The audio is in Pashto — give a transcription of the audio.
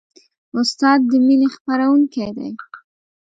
استاد د مینې خپروونکی دی.